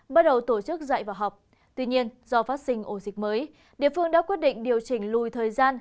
bắt đầu tổ chức dạy và học tuy nhiên do phát sinh ổ dịch mới địa phương đã quyết định điều chỉnh lùi thời gian